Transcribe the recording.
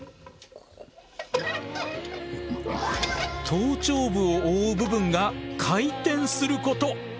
頭頂部を覆う部分が回転すること！